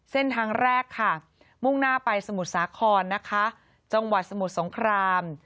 เส้นทางแรกค่ะมุ่งหน้าไปสมุทรสาครนะคะจังหวัดสมุทรสงคราม